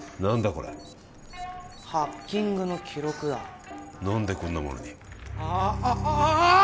これハッキングの記録だ何でこんなものにあっあああ！